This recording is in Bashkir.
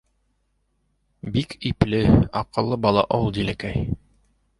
Бик ипле, аҡыллы бала ул Диләкәй.